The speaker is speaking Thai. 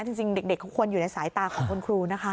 จริงเด็กเขาควรอยู่ในสายตาของคุณครูนะคะ